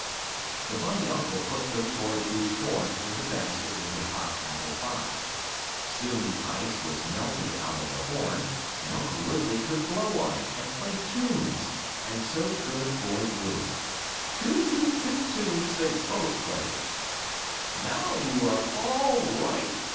The bunny uncle put Little Boy Blue's horn in the basket with the hot apple pie. Soon the ice was melted out of the horn, and Uncle Wiggily could blow on it, and play tunes, and so could Boy Blue. Tootity toot toot tunes they both played. "Now you are all right!"